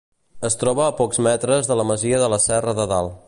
Es troba a pocs metres de la masia de la Serra de Dalt.